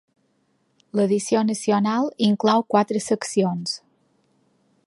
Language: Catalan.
L'edició nacional inclou quatre seccions: